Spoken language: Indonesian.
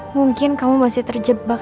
mungkin kamu masih terjebak